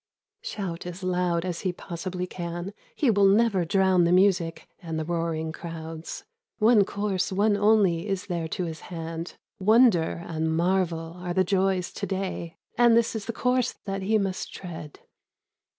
Shout as loud as he possibly can, He will never drown the music And the roaring crowds. One course, one only, is there to his hand ; Wonder and marvel are the joys to day, And this is the course that he must tread.